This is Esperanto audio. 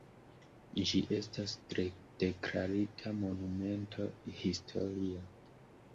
Ĝi estas deklarita monumento historia.